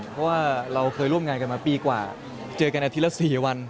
เพราะว่าเราเคยร่วมงานกันมาปีกว่าเจอกันอาทิตย์ละ๔วัน